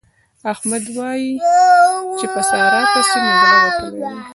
احمد وايي چې په سارا پسې مې زړه وتلی دی.